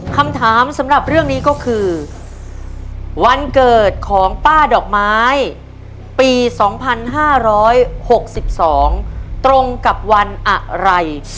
คำถามสำหรับเรื่องนี้ก็คือวันเกิดของป้าดอกไม้ปีสองพันห้าร้อยหกสิบสองตรงกับวันอะไร